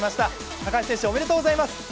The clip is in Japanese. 高橋選手、おめでとうございます。